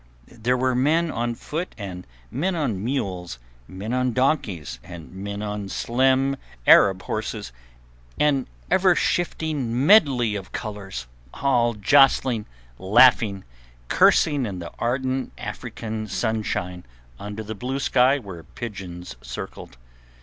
There were men on foot and men on mules, men on donkeys and men on slim Arab horses, an ever shifting medley of colours, all jostling, laughing, cursing in the ardent African sunshine under the blue sky where pigeons circled.